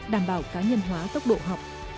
đảm bảo cá nhân hóa tốc độ học